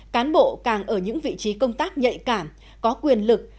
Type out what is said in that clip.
cán bộ càng ở những vị trí công tác nhạy cảm có quyền lực